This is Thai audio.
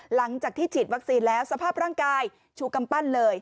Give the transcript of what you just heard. หลังจากที่ฉีดวัคซีนแล้วสภาพร่างกายชูกำปั้นเลย